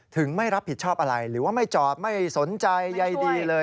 ไม่รับผิดชอบอะไรหรือว่าไม่จอดไม่สนใจใยดีเลย